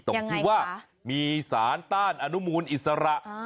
ตรงที่ว่ามีสารต้านอนุมูลอิสระ